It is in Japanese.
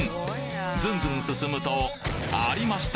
ずんずん進むとありました！